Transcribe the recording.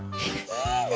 いいね。